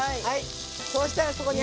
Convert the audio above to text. そうしたらここに。